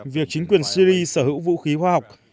việc chính quyền syri sở hữu vũ khí hóa học